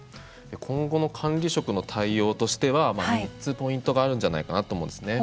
今後の管理職の対応としては３つポイントがあるんじゃないかなと思うんですね。